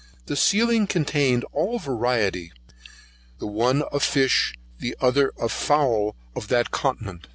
The ceilings contained all the variety, the one of the fish, the other of the fowl of that continent.